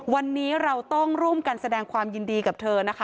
วันนี้เราต้องร่วมกันแสดงความยินดีกับเธอนะคะ